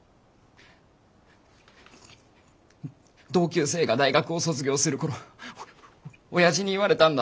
同級生が大学を卒業する頃親父に言われたんだ。